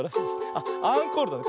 あっアンコールだね。